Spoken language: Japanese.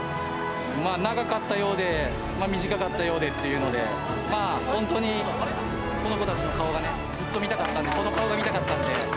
長かったようで、短かったようでっていうので、まあ本当に、この子たちの顔がね、ずっと見たかったんで、この顔が見たかったんで。